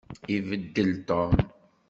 Ibeddel Tom.